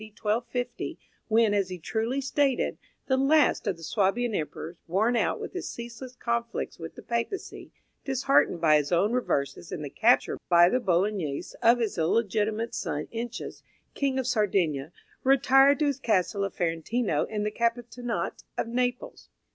1250, when, as he truly stated, the last of the Swabian emperors, worn out with his ceaseless conflicts with the Papacy, disheartened by his own reverses and the capture by the Bolognese of his illegitimate son Encius, King of Sardinia, retired to his castle of Férentino, in the Capitanate of Naples.